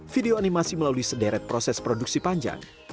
video animasi melalui sederet proses produksi panjang